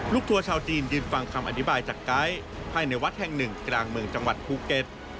ทัวร์ชาวจีนยืนฟังคำอธิบายจากไกด์ภายในวัดแห่งหนึ่งกลางเมืองจังหวัดภูเก็ต